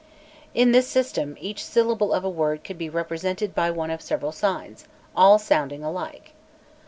In this system, each syllable of a word could be represented by one of several signs, all sounding alike.